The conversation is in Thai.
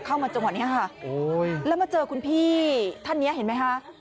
เข้ามาจังหวะนี้ค่ะแล้วมาเจอคุณพี่ท่านนี้เห็นไหมคะ